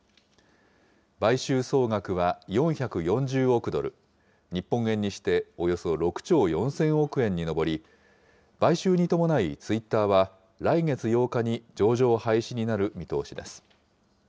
買収総額は４４０億ドル、日本円にしておよそ６兆４０００億円に上り、買収に伴いツイッターは来月８日に上場廃止になる見通しです。